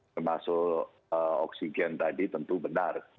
termasuk oksigen tadi tentu benar